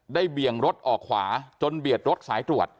เบี่ยงรถออกขวาจนเบียดรถสายตรวจ